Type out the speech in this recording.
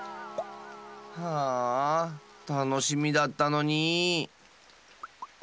ああたのしみだったのに！